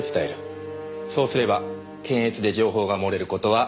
そうすれば検閲で情報が漏れる事はない。